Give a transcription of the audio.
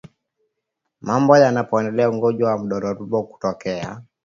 Mambo yanayopelekea ugonjwa wa ndorobo kutokea